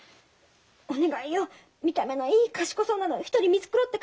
お願いよ見た目のいい賢そうなの１人見繕って貸して。ね！